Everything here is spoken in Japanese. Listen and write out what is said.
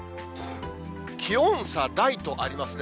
気温差大とありますね。